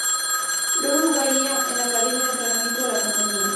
Luego trabajaría en la academia de entrenamiento de la compañía.